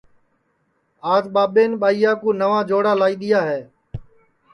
آج ٻاٻین ٻائیا کُو نئوا چھوا لائی دؔیا ہے